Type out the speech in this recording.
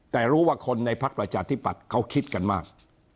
แต่รู้ว่าคนในพักประชาธิปัตย์เขาคิดกันมาก